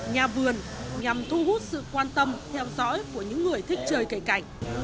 nhà vườn nhằm thu hút sự quan tâm theo dõi của những người thích chơi cây cảnh